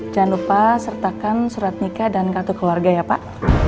jangan lupa sertakan surat nikah dan kartu keluarga ya pak